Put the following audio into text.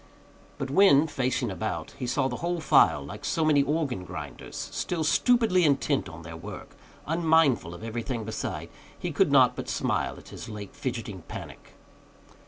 But when, facing about, he saw the whole file, like so many organ grinders, still stupidly intent on their work, unmindful of everything beside, he could not but smile at his late fidgety panic.